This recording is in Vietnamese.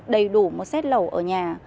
đầy đủ một set lầu ở nhà